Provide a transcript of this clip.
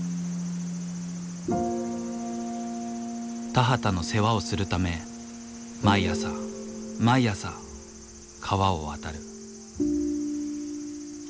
田畑の世話をするため毎朝毎朝川を渡る。